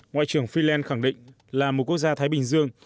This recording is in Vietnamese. ngoại trưởng freeland khẳng định là một quốc gia thái bình dương